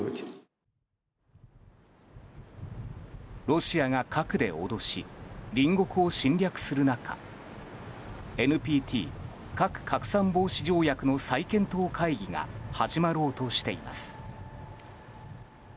ロシアが核で脅し隣国を侵略する中ＮＰＴ・核拡散防止条約の再検討会議が始まろうとしています。